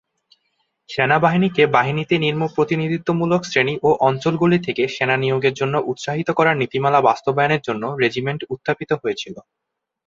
সেনাবাহিনীকে বাহিনীতে নিম্ন-প্রতিনিধিত্বমূলক শ্রেণি ও অঞ্চলগুলি থেকে সেনা নিয়োগের জন্য উৎসাহিত করার নীতিমালা বাস্তবায়নের জন্য রেজিমেন্ট উত্থাপিত হয়েছিল।